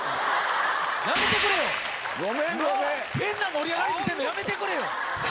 変な盛り上がり見せるのやめてくれよ。